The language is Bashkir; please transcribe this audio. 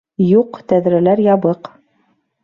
Юҡ, тәҙрәләр ябыҡ.